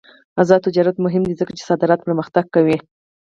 آزاد تجارت مهم دی ځکه چې صادرات پرمختګ کوي.